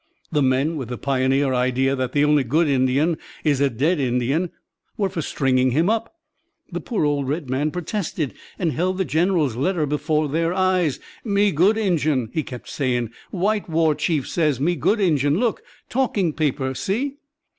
The men, with the pioneer idea that "the only good Indian is a dead Indian," were for stringing him up. The poor old red man protested and held the general's letter before their eyes. "Me good Injun," he kept saying, "white war chief say me good Injun. Look talking paper see!"